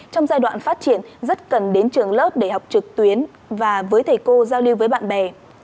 trong giai đoạn phát triển rất cần đến trường lớp để học trực tuyến và với thầy cô giao lưu với bạn bè